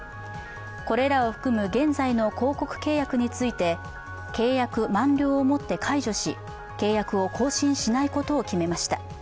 これらを含む現在の広告契約について契約満了をもって解除し契約を更新しないことを決めました。